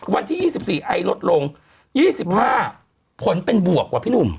วันที่๒๔ไอลดลง๒๕ผลเป็นบวกกว่าพี่หนุ่ม